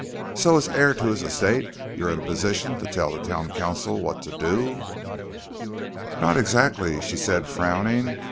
"So as heir to his estate, you're in a position to tell the town council what to do." "Not exactly," she said, frowning.